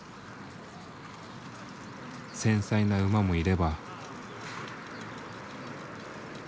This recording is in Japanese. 繊細な馬もいれば。